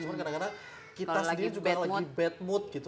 cuma kadang kadang kita sendiri juga lagi bad mood gitu